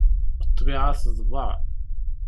Ṭṭbiɛa teḍbeɛ.